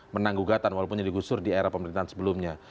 menang gugatan walaupun digusur di era pemerintahan sebelumnya